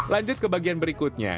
lanjut ke bagian berikutnya